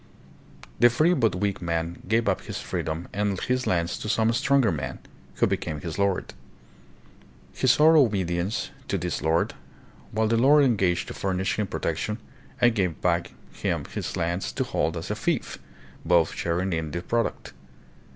The free but weak man gave up his freedom and his lands to some stronger man, who became his lord. He swore obedience to this lord, while the lord engaged to furnish him protection and gave him back his lands to hold as a "fief," both sharing hi the product.